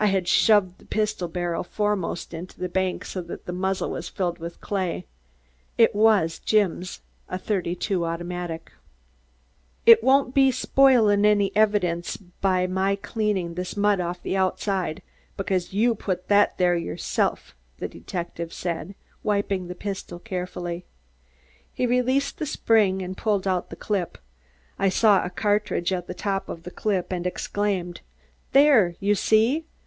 I had shoved the pistol barrel foremost into the bank so the muzzle was filled with clay. It was Jim's a "32" automatic. "It won't be spoilin' any evidence by my cleanin' this mud off the outside, because you put that there yourself," the detective said, wiping the pistol carefully. He released the spring and pulled out the clip. I saw a cartridge at the top of the clip and exclaimed: "There! You see?